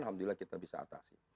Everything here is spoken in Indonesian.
alhamdulillah kita bisa atasi